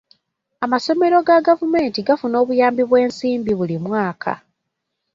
Amasomero ga gavumenti gafuna obuyambi bw'ensimbi buli mwaka.